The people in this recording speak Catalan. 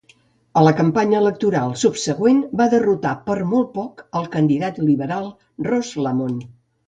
A la campanya electoral subseqüent, va derrotar per molt poc el candidat liberal Ross Lamont.